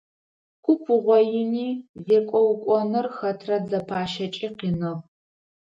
Куп уугъоини зекӀо укӀоныр хэтрэ дзэпащэкӀи къиныгъ.